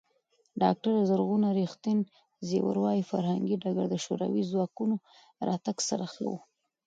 ډاکټره زرغونه ریښتین زېور وايي، فرهنګي ډګر د شوروي ځواکونو راتګ سره ښه و.